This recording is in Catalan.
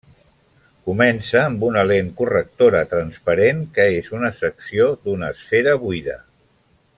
Comença amb una lent correctora transparent que és una secció d'una esfera buida.